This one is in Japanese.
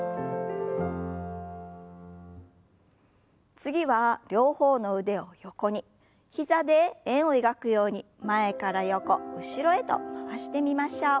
次は両方の腕を横に膝で円を描くように前から横後ろへと回してみましょう。